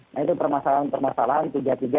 nah itu permasalahan permasalahan tiga tiga